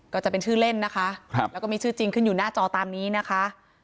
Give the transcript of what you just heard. ก็จะเป็นชื่อเล่นนะคะแล้วก็มีชื่อจริงขึ้นอยู่หน้าจอตามนี้นะคะ